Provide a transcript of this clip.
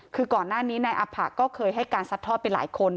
คือก่อนหน้านี้นายอภะก็เคยให้การซัดทอดไปหลายคน